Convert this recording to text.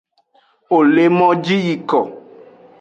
Wo le moji yiko.